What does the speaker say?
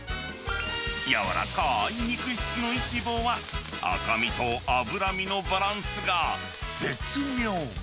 柔らかい肉質のイチボは、赤身と脂身のバランスが絶妙。